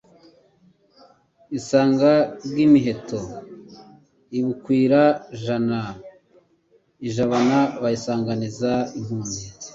Isanga Rwimiheto i Bukwira-jana i Jabana bayisanganiza impundu